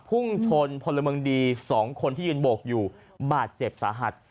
พุ่งชนพลเมืองดีสองคนที่ยืนโบกอยู่บาดเจ็บสาหัส